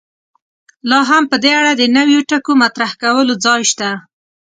لا هم په دې اړه د نویو ټکو مطرح کولو ځای شته.